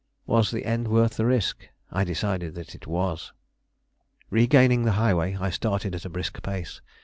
Was the end worth the risk? I decided that it was. Regaining the highway, I started at a brisk pace.